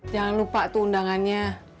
jangan lupa tuh undangannya